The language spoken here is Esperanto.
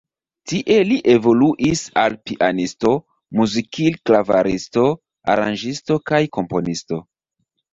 Tie li evoluis al pianisto, muzikil-klavaristo, aranĝisto kaj komponisto.